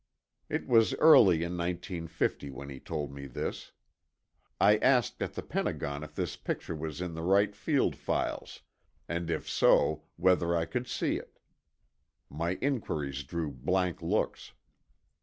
It was early in 1950 when he told me this. I asked at the Pentagon if this picture was in the Wright Field files, and if so whether I could see it. My inquiries drew blank looks.